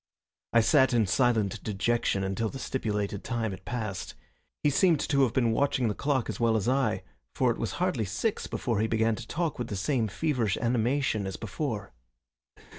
I sat in silent dejection until the stipulated time had passed. He seemed to have been watching the clock as well as I, for it was hardly six before he began to talk with the same feverish animation as before.